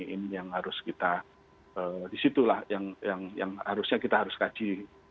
ini yang harus kita di situ lah yang harusnya kita harus kaji